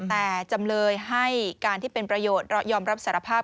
แต่จำเลยให้การที่เป็นประโยชน์ยอมรับสารภาพ